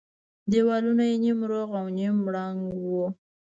دېوالونه يې نيم روغ او نيم ړنگ وو.